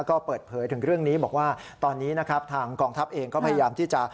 ก็เปิดเผยถึงเรื่องนี้บอกว่าตอนนี้นะครับทางกองทัพเองก็พยายามที่จะ